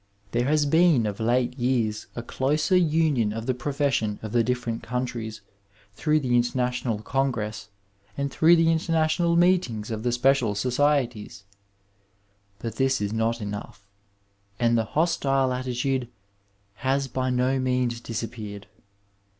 There has been of late years a closer union of the profession of the different countries through the International Congress and through the international meetings of the special societies; but this is not enough, and the hostile attitude has by no means disappeared.